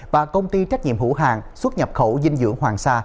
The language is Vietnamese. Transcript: và công ty trách nhiệm hữu hàng xuất nhập khẩu dinh dưỡng hoàng sa